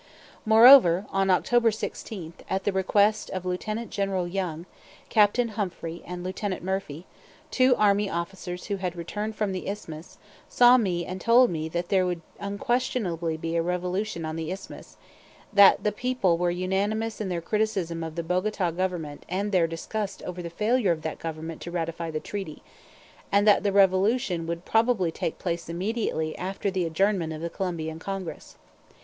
Moreover, on October 16, at the request of Lieutenant General Young, Captain Humphrey, and Lieutenant Murphy, two army officers who had returned from the Isthmus, saw me and told me that there would unquestionably be a revolution on the Isthmus, that the people were unanimous in their criticism of the Bogota Government and their disgust over the failure of that Government to ratify the treaty; and that the revolution would probably take place immediately after the adjournment of the Colombian Congress.